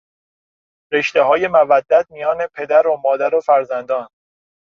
رشتههای مودت میان پدر و مادر و فرزندان